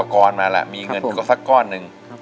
คุณจะกลับก็ได้อย่างนั้นสักครู่